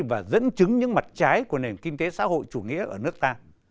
và dẫn chứng những mặt trái của nền kinh tế xã hội chủ nghĩa ở nước ta